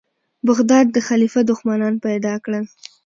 بغداد د خلیفه دښمنان پیدا کړل.